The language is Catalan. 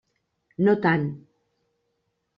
No tant.